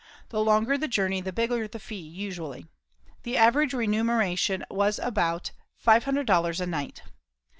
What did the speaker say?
The longer the journey the bigger the fee usually. The average remuneration was about $500 a night.